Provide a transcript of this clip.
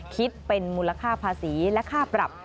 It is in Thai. คิดเป็นมูลค่าภาษีและค่าปรับ